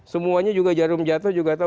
semuanya juga jarum jatuh juga tahu